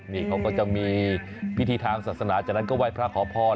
นิเขาก็จะมีพิธีทางศักดิ์ศาสนาจังนั้นก็วัยพระขอพร